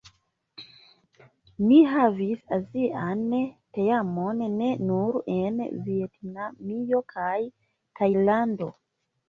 Ni havis Azian teamon ne nur en Vjetnamio kaj Tajlando.